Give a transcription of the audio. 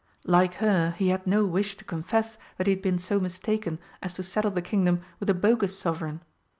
Like her, he had no wish to confess that he had been so mistaken as to saddle the Kingdom with a bogus Sovereign.